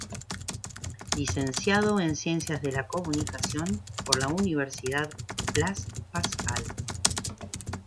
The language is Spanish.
Licenciado en Ciencias de la comunicación por la Universidad Blas Pascal.